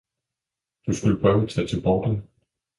Du skulle prøve at tage til Bording